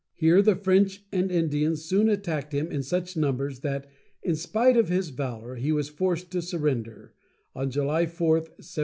Here the French and Indians soon attacked him in such numbers that, in spite of his valor, he was forced to surrender, on July 4, 1754.